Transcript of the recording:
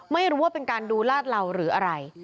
ไม่รู้ว่าเป็นการดูลาดเหล่าหรืออะไร